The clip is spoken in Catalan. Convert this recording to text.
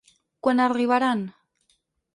Quan arribaran?